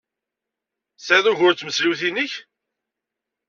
Tesɛid ugur d tmesliwt-nnek?